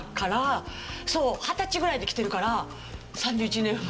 そう二十歳ぐらいで来てるから３１年前。